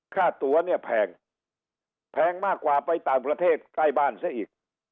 ค่าตัวเนี่ยแพงแพงมากกว่าไปต่างประเทศใกล้บ้านซะอีก